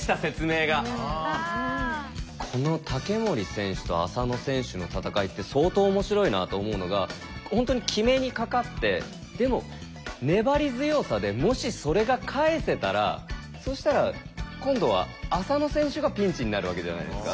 この竹守選手と浅野選手の戦いって相当面白いなと思うのが本当に決めにかかってでも粘り強さでもしそれが返せたらそしたら今度は浅野選手がピンチになるわけじゃないですか。